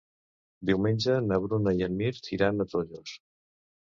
Diumenge na Bruna i en Mirt iran a Tollos.